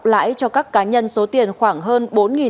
lãi cho các cá nhân số tiền khoảng hơn